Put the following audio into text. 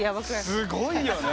すごいよね。